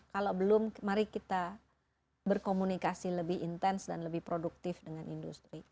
kalau belum mari kita berkomunikasi lebih intens dan lebih produktif dengan industri